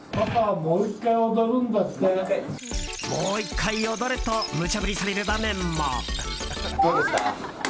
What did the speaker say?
もう１回踊れとむちゃ振りされる場面も。